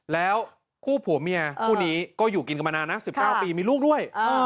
แล้วคู่ผัวเมียคู่นี้ก็อยู่กินกันมานานนะ๑๙ปีมีลูกด้วย